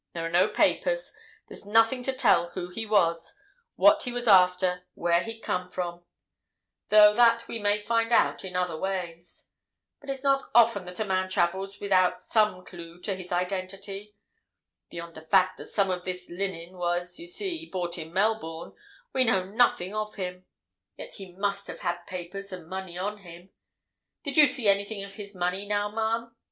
There are no papers—there's nothing to tell who he was, what he was after, where he'd come from—though that we may find out in other ways. But it's not often that a man travels without some clue to his identity. Beyond the fact that some of this linen was, you see, bought in Melbourne, we know nothing of him. Yet he must have had papers and money on him. Did you see anything of his money, now, ma'am?"